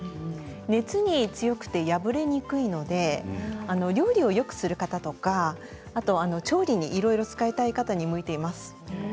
熱に強くて破れにくいので料理をよくする方とか調理にいろいろ使いたい方に向いています。